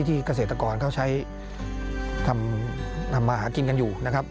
เกษตรกรเขาใช้ทำมาหากินกันอยู่นะครับ